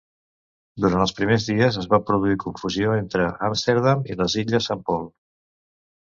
Durant els primers dies es va produir confusió entre Amsterdam i les illes Saint Paul.